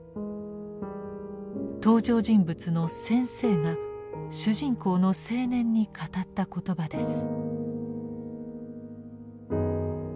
登場人物の「先生」が主人公の青年に語った言葉です。